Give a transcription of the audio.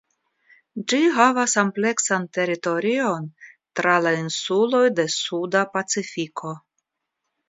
Ĝi havas ampleksan teritorion tra la insuloj de Suda Pacifiko.